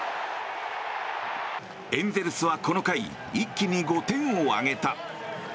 エンゼルスはこの回一気に５点を挙げた。